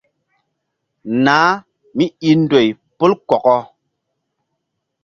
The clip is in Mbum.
Nah míi ndoy pol kɔkɔ.